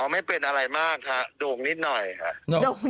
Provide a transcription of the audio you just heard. ไม่เป็นอะไรมากค่ะดุงนิดหน่อยค่ะ